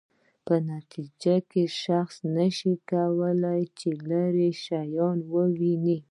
په نتیجه کې شخص نشي کولای چې لیرې شیان وویني.